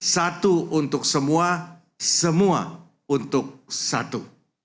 satu untuk semua semua untuk satu